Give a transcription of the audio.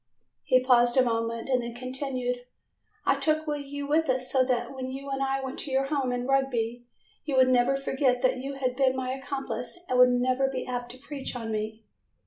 He paused a moment and then continued, "I took you with us, so when you and I went to your home in Rugby you would never forget that you had been my accomplice and would not be apt to peach on me.